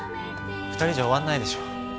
２人じゃ終わんないでしょ。